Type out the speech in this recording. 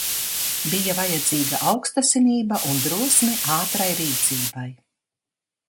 Bija vajadzīga aukstasinība un drosme ātrai rīcībai.